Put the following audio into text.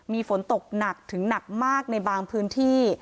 มีฝนตกหนักถึงหนักมากในบางพื้นที่